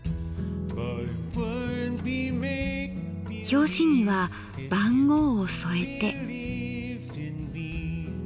表紙には番号を添えて。